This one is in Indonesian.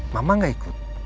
mama gak ikut